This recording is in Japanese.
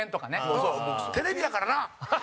さんま：テレビやからな。